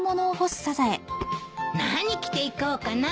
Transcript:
何着ていこうかな。